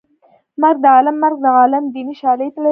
مرګ د عالم مرګ د عالم دیني شالید لري